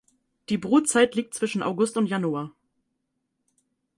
Die Brutzeit liegt zwischen August und Januar.